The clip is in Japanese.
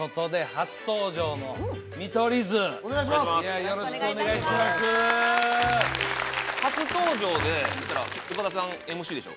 初登場で岡田さんＭＣでしょ？